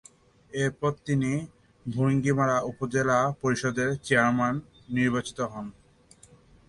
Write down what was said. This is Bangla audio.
এরপর তিনি ভূরুঙ্গামারী উপজেলা পরিষদের চেয়ারম্যান নির্বাচিত হন।